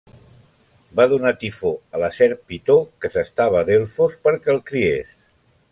Va donar Tifó a la serp Pitó, que s'estava a Delfos, perquè el criés.